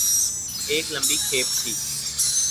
ایک لمبی کھیپ تھی۔